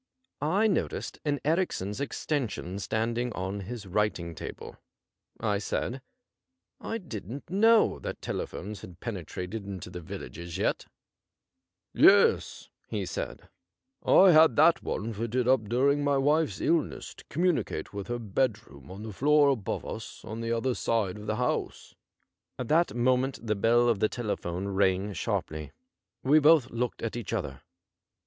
I noticed an Erichsen's extension standing on his writinff table. I said :' I didn't know that telephones had penetrated into the villages yet.' ' Yes,' he said, 'I believe they are 87 CASE OF VINCENT PYRWHIT common enough now. I had that one fitted up during my wife's ill ness to communicate with her bed room on the floor above us on the other side of the house.' At that moment the bell of the telephone rang sharply. We both looked at each other.